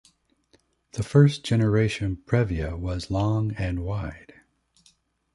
The first generation Previa was long and wide.